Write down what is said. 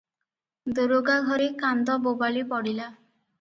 ଦରୋଗା ଘରେ କାନ୍ଦ ବୋବାଳି ପଡ଼ିଲା ।